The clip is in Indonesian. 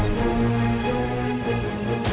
semoga saya tidak akan menyampah